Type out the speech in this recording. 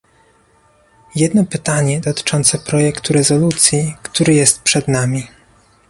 Jedno pytanie dotyczące projektu rezolucji, który jest przed nami